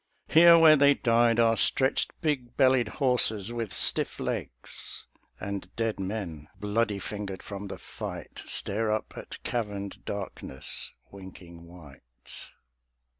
Here where they died Are stretched big bellied horses with stiff legs; And dead men, bloody fingered from the fight, Stare up at caverned darkness winking white.